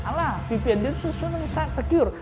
alah vpn itu sesuatu yang tidak secure